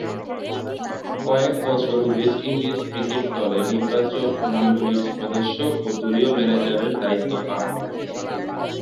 কয়েক বছর West Indies cricket দলের নির্বাচকমণ্ডলীর সদস্য ও দলীয় ম্যানেজারের দায়িত্ব পান।